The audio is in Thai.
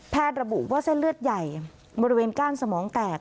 ระบุว่าเส้นเลือดใหญ่บริเวณก้านสมองแตก